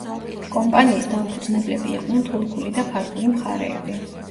კომპანიის დამფუძნებლები იყვნენ თურქული და ქართული მხარეები.